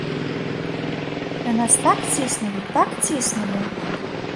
На нас так ціснулі, так ціснулі!